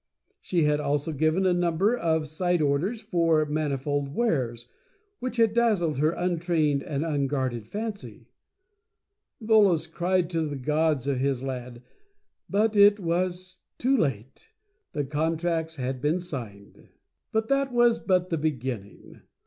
She had also given a number of Side Orders for Manifold Wares, which had dazzled her untrained and unguarded Fancy. Volos cried aloud to the Gods of his Land — but it was too late, the contracts had been signed. WORSE AND MORE OF IT. But, that was but the beginning.